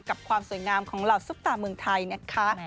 ความสวยงามของเหล่าซุปตาเมืองไทยนะคะ